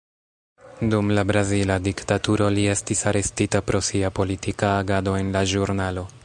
Dum la brazila diktaturo, li estis arestita pro sia politika agado en la ĵurnalo.